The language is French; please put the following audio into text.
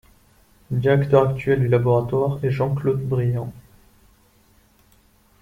Le directeur actuel du laboratoire est Jean-Claude Brient.